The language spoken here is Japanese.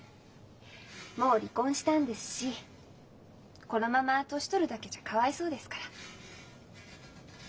もう離婚したんですしこのまま年取るだけじゃかわいそうですから。